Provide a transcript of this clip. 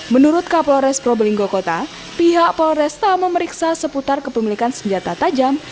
menurut kapolores probolinggo kota pihak polres tak memeriksa seputar kepemilikan senjata tajam